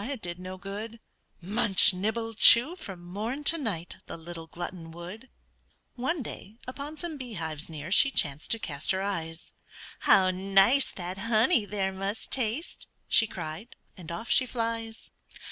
it did no good; Munch, nibble, chew, from morn to night, The little glutton would. One day, upon some bee hives near She chanced to cast her eyes; "How nice that honey there must taste!" She cried, and off she flies.